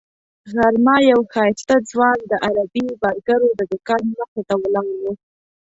غرمه یو ښایسته ځوان د عربي برګرو د دوکان مخې ته ولاړ و.